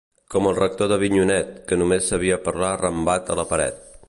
Com el rector d'Avinyonet, que només sabia parlar arrambat a la paret.